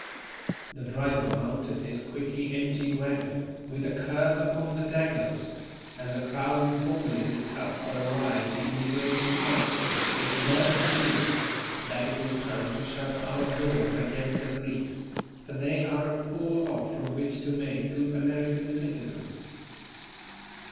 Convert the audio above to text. The driver mounted his quickly emptied wagon, with a curse upon the "Dagos," and the crowd informally discussed for a while the immigration question; its verdict being, that it is time to shut our doors against the Greeks, for they are a poor lot from which to make good American citizens.